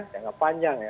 jangka panjang ya